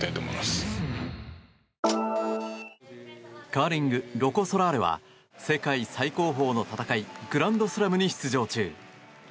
カーリング、ロコ・ソラーレは世界最高峰の戦いグランドスラムに出場中。